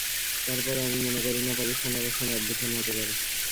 তার পরও আমি মনে করি না, পাকিস্তানে আবার সেনা অভ্যুত্থান হতে পারে।